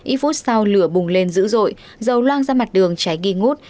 ý phút sau lửa bùng lên dữ dội dầu loang ra mặt đường cháy ghi ngút